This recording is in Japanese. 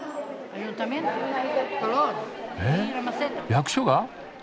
役所が？